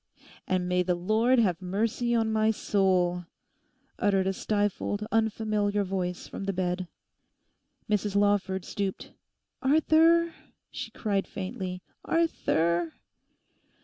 'And may the Lord have mercy on my soul!' uttered a stifled, unfamiliar voice from the bed. Mrs Lawford stooped. 'Arthur!' she cried faintly, 'Arthur!